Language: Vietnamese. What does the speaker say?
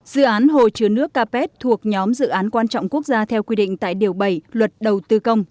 dự án hồ chứa nước capet thuộc nhóm dự án quan trọng quốc gia theo quy định tại điều bảy luật đầu tư công